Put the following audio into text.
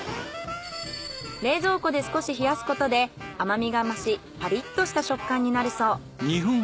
冷蔵庫で少し冷やすことで甘みが増しパリッとした食感になるそう。